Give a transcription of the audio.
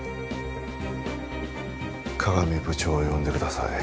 加賀見部長を呼んでください